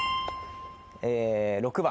６番。